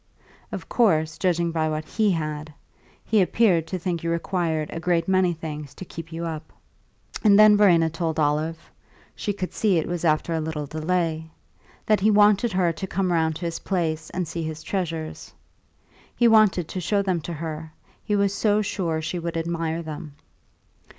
Of course judging by what he had he appeared to think you required a great many things to keep you up. And then Verena told Olive she could see it was after a little delay that he wanted her to come round to his place and see his treasures. He wanted to show them to her, he was so sure she would admire them.